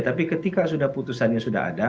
tapi ketika sudah putusannya sudah ada